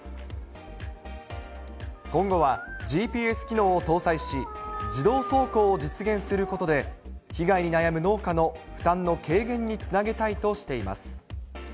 今後はＧＰＳ機能を搭載し、自動走行を実現することで、被害に悩む農家の負担の軽減につなげたいとしています。